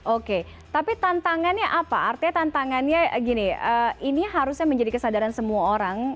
oke tapi tantangannya apa artinya tantangannya gini ini harusnya menjadi kesadaran semua orang